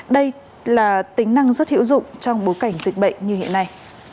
đây là tính năng rất hiệu dụng trong bối cảnh dịch bệnh như hiện nay